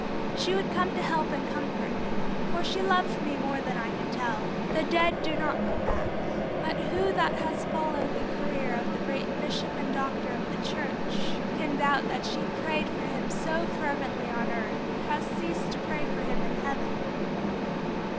she would come to help and comfort me, for she loved me more than I can tell." The dead do not come back. But who that has followed the career of the great bishop and doctor of the Church can doubt that she who prayed for him so fervently on earth had ceased to pray for him in heaven?